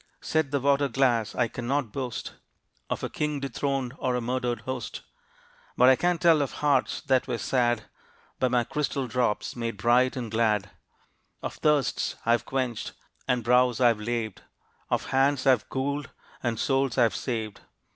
Said the water glass: "I cannot boast Of a king dethroned, or a murdered host, But I can tell of hearts that were sad By my crystal drops made bright and glad; Of thirsts I have quenched, and brows I have laved; Of hands I have cooled, and souls I have saved.